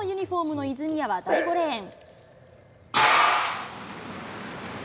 青のユニホームの泉谷は第５レーン。